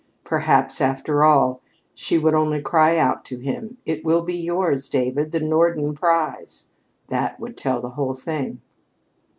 Perhaps, after all, she would only cry out to him: "It will be yours, David the Norden prize!" That would tell the whole thing.